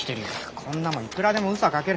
こんなもんいくらでもうそが描ける。